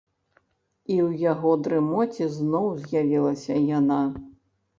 І ў яго дрымоце зноў з'явілася яна.